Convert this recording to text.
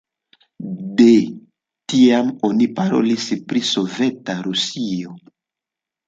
De tiam oni parolis pri Soveta Rusio.